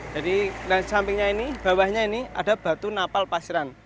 sampingnya ini bawahnya ini ada batu napal pasiran